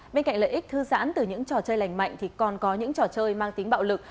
bên cạnh lợi ích thư giãn từ những trò chơi lành mạnh thì còn có những trò chơi mang tính bạo lực